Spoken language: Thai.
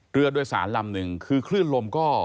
เรือโดยสารลำหนึ่งคือคลื่นลมก็